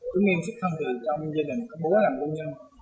chúng em sức thân thường trong gia đình có bố làm quân nhân